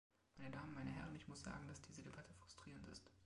Meine Damen, meine Herren, ich muss sagen, dass diese Debatte frustrierend ist.